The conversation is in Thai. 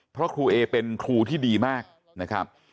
เพราะครูเอเป็นครูที่ดีมากนะครับ